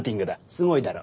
すごいだろ？